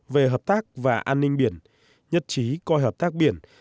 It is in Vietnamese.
về hợp tác và an ninh biển nhất trí coi hợp tác biển